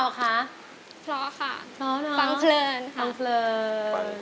ไม่ใช้